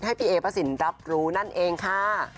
ให้พี่เอพระสินรับรู้นั่นเองค่ะ